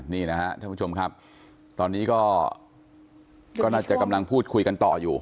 นี่นะครับท่านผู้ชมครับตอนนี้ก็น่าจะกำลังพูดคุยกันต่ออยู่